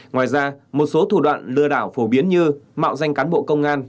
ngoài ra một số thủ đoạn lừa đảo phổ biến như mạo danh cán bộ công an